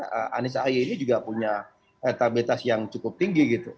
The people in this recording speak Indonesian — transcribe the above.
karena anies ahy ini juga punya elektabilitas yang cukup tinggi gitu